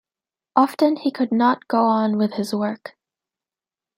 Often he could not go on with his work.